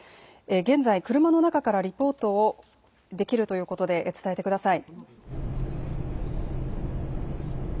現在、車の中からリポートをできるということで伝えてください。